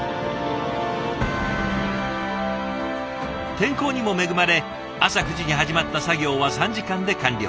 天候にも恵まれ朝９時に始まった作業は３時間で完了。